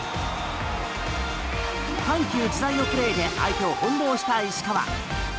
緩急自在のプレーで相手を翻ろうした石川。